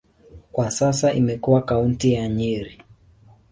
Kwa sasa imekuwa kaunti ya Nyeri.